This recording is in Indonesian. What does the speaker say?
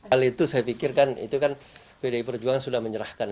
hal itu saya pikirkan itu kan pdi perjuangan sudah menyerahkan